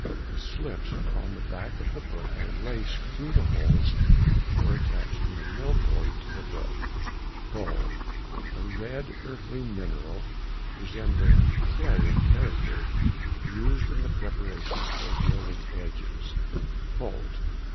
The slips upon the back of the book are laced through the holes for attaching the mill board to the book. BOLE.—A red earthy mineral, resembling clay in character, used in the preparation for gilding edges. BOLT.